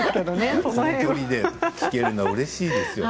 この距離で聴けるのはうれしいですよ。